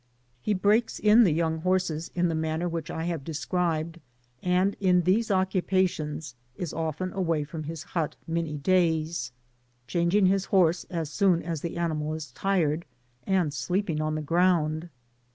He breaks in the young horses in the manner which I have described, and in these occu« pations is often away from his hut many days, changing his horse as soon as the animal is tired, and sleeping on the ground.